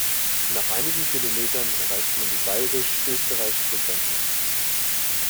Nach einigen Kilometern erreicht man die bayrisch-österreichische Grenze.